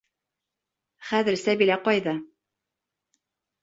Хәҙер Сәбилә ҡайҙа?